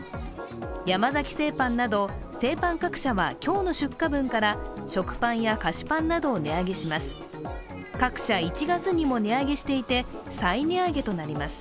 山崎製パンなど製パン各社は今日の出荷分から食パンや菓子パンなどを値上げします。